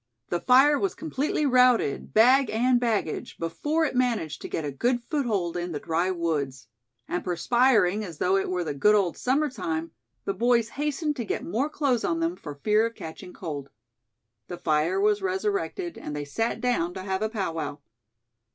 The fire was completely routed, bag and baggage, before it managed to get a good foothold in the dry woods. And perspiring as though it were the good old summer time, the boys hastened to get more clothes on them, for fear of catching cold. The fire was resurrected, and they sat down to have a powwow.